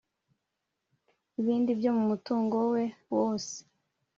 ibindi byo mu mutungo we wose;